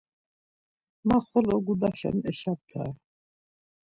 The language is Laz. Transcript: Ma xolo gudaşen eşaptare.